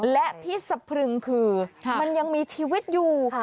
และที่สะพรึงคือมันยังมีชีวิตอยู่